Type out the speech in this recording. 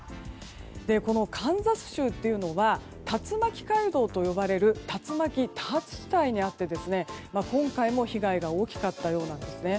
このカンザス州というのは竜巻街道といわれる竜巻多発地帯にあって今回も被害が大きかったようなんです。